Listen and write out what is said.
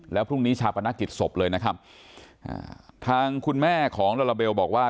แล้วพรุ่งนี้ชาปนกิจศพเลยนะครับทางคุณแม่ของลาลาเบลบอกว่า